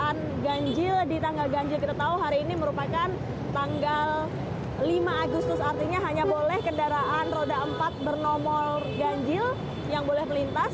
kendaraan ganjil di tanggal ganjil kita tahu hari ini merupakan tanggal lima agustus artinya hanya boleh kendaraan roda empat bernomor ganjil yang boleh melintas